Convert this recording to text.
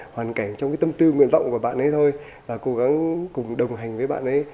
hoàn cảnh trong cái tâm tư nguyện vọng của bạn ấy thôi là cố gắng cùng đồng hành với bạn ấy